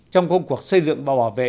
trong công cuộc xây dựng và bảo vệ